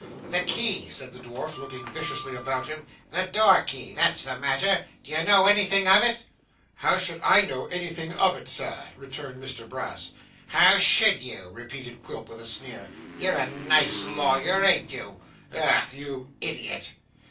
'The key,' said the dwarf, looking viciously about him, 'the door key that's the matter. D'ye know anything of it?' 'How should I know anything of it, sir?' returned Mr Brass. 'How should you?' repeated Quilp with a sneer. 'You're a nice lawyer, an't you? Ugh, you idiot!